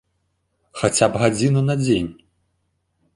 Хаця б гадзіну на дзень.